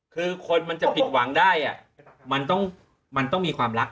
คือคนมันจะผิดหวังได้มันต้องมีความรัก